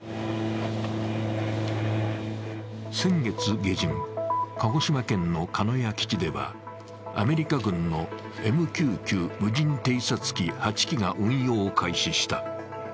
先月下旬、鹿児島県の鹿屋基地ではアメリカ軍のＭＱ−９無人偵察機８機が運用を開始した。